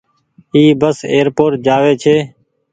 اي بس ايئر پوٽ جآ وي ڇي۔